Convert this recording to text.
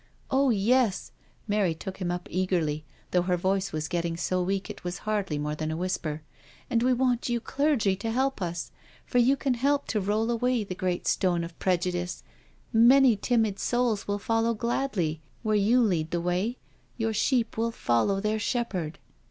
'^" Oh yes," Mary took him up eagerly, though her voice was getting so weak it was hardly more than a whisper. '* And we want you clergy to help us. For you can help to roll away the great stone of pre judice—many timid souls will follow gladly where you lead the way — your sheep will follow their shepherd."